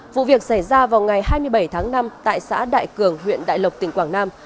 vụ việc xảy ra vào ngày hai mươi bảy tháng năm tại xã đại cường huyện đại lộc tỉnh quảng nam